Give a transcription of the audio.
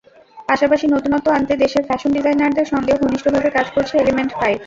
পাশাপাশি নতুনত্ব আনতে দেশের ফ্যাশন ডিজাইনারদের সঙ্গেও ঘনিষ্ঠভাবে কাজ করছে এলিমেন্ট ফাইভ।